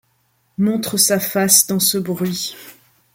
Montre sa face dans ce bruit